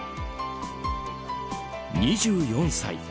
２４歳。